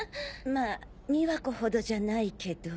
まぁ美和子ほどじゃないけど